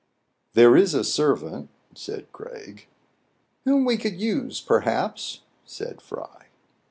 " There is a servant "— said Craig. Whom we could use perhaps," said Fry.